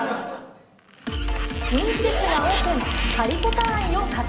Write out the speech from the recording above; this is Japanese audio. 新施設がオープン。